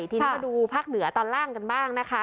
ทีนี้มาดูภาคเหนือตอนล่างกันบ้างนะคะ